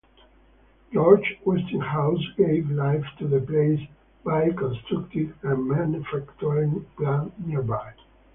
George Westinghouse gave life to the place by constructing a manufacturing plant nearby.